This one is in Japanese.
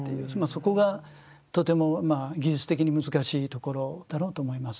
そこがとてもまあ技術的に難しいところだろうと思います。